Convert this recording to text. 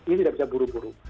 ini tidak bisa buru buru